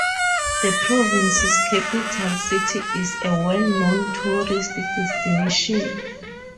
The province's capital city is a well known tourist destination.